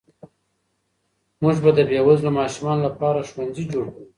موږ به د بې وزلو ماشومانو لپاره ښوونځي جوړ کړو.